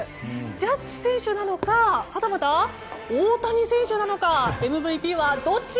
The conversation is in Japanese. ジャッジ選手なのかはたまた、大谷選手なのかＭＶＰはどっち？